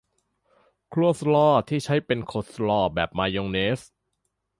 โคลสลอว์ที่ใช้เป็นโคลสลอว์แบบมายองเนส